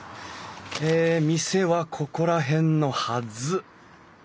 え店はここら辺のはず。